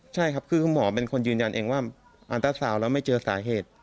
ใช่ครับคือคุณหมอเป็นคนยืนยันเองว่าอันตราซาวน์แล้วไม่เจอสาเหตุ